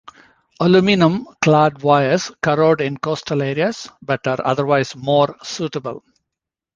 Aluminum clad wires corrode in coastal areas, but are otherwise more suitable.